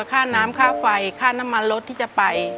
ค่าน้ำค่าไฟค่าน้ำมันรถที่จะไป